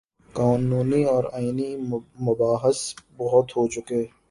قانونی اور آئینی مباحث بہت ہو چکے۔